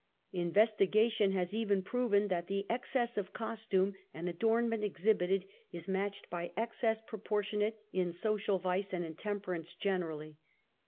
Investigation has even proven that the ex cess of costume and adornment exhibited is matched, by excess proportionate in social vice and intemper ance generally.